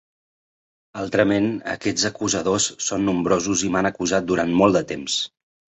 Altrament aquests acusadors són nombrosos i m'han acusat durant molt de temps.